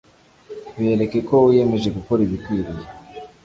Bereke ko wiyemeje gukora ibikwiriye